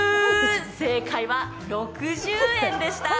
正解は６０円でした。